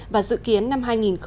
và dự kiến năm hai nghìn một mươi chín